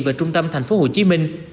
về trung tâm thành phố hồ chí minh